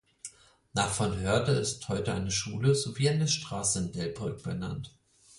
Nach von Hörde ist heute eine Schule sowie eine Straße in Delbrück benannt.